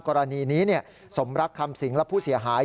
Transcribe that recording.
กรณีนี้สมรักคำสิงและผู้เสียหาย